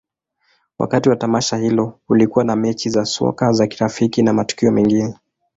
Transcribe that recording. Wakati wa tamasha hilo, kulikuwa na mechi za soka za kirafiki na matukio mengine.